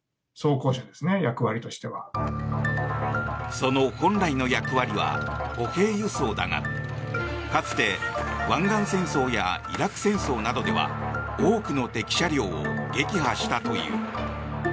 その本来の役割は歩兵輸送だがかつて湾岸戦争やイラク戦争などでは多くの敵車両を撃破したという。